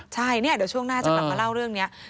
ใช่เดี๋ยวช่วงหน้าจะมาเล่าเรื่องนี้